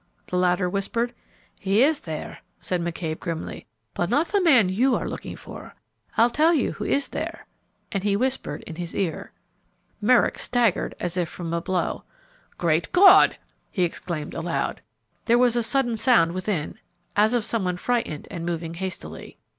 the latter whispered. "He is there," said McCabe, grimly, "but not the man you are looking for. I'll tell you who is there," and he whispered in his ear. Merrick staggered as if from a blow. "Great God!" he exclaimed aloud. There was a sudden sound within as of some one frightened and moving hastily.